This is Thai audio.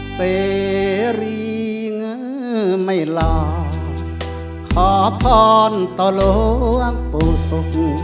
เสรีเงินไม่รอขอพรตลวงปุศุ